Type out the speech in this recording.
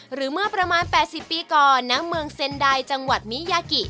หรือเมื่อประมาณ๘๐ปีก่อนณเมืองเซ็นไดจังหวัดมิยากิ